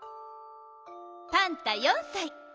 パンタ４さい。